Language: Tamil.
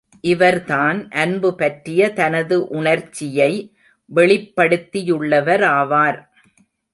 இவர்தான் அன்பு பற்றிய தனது உணர்ச்சியை வெளிப்படுத்தியுள்ளவராவார்!